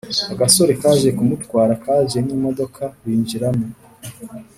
agasore kaje kumutwara kaje nimodoka binjiramo